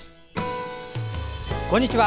こんにちは。